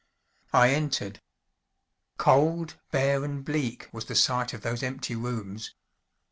I entered. Cold, bare and bleak was the sight of those empty rooms.